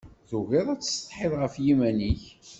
Tugiḍ ad tsetḥiḍ ɣef yiman-ik.